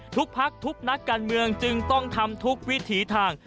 ทุกพักทุกนักการเมืองจึงต้องทำทุกวิถีทาง